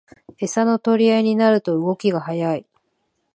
エサの取り合いになると動きが速い